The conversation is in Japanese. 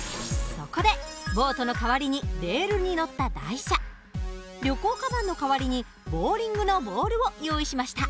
そこでボートの代わりにレールに載った台車旅行カバンの代わりにボウリングのボールを用意しました。